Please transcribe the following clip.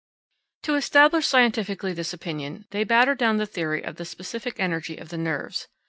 To establish scientifically this opinion they batter down the theory of the specific energy of the nerves.